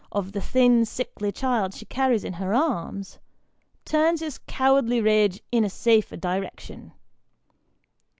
of the thin, sickly child she carries in her arms, turns his cowardly rage in a safer direction.